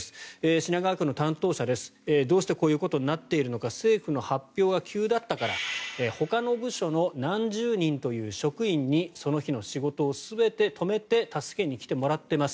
品川区の担当者、どうしてこういうことになっているのか政府の発表が急だったからほかの部署の何十人という職員にその日の仕事を全て止めて助けに来てもらっています。